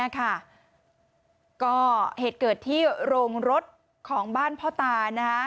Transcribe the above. ก็เหตุเกิดที่โรงรถของบ้านพ่อตา